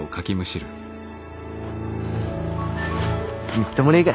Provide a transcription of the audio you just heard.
みっともねぇか？